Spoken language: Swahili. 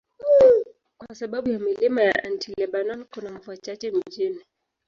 Kwa sababu ya milima ya Anti-Lebanon, kuna mvua chache mjini.